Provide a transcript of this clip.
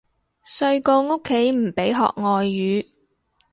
細個屋企唔俾學外語